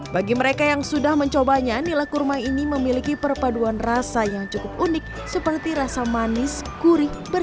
bagi mereka yang sudah mencobanya nila kurma ini memiliki perpaduan rasa yang cukup unik seperti rasa manis gurih